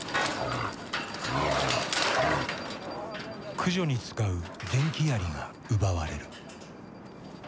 駆除に使う電気槍が奪われる。